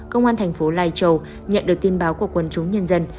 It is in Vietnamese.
công an thành phố lai châu nhận được tin báo của quân chúng nhân dân